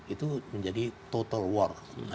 itu menjadi total war